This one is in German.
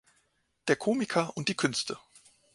Der Komiker und die Künste“.